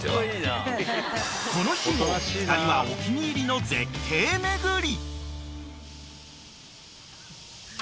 ［この日も２人はお気に入りの絶景めぐり］